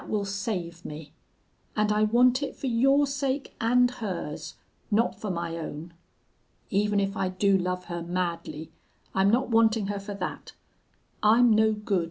That will save me. And I want it for your sake and hers not for my own. Even if I do love her madly I'm not wanting her for that. I'm no good.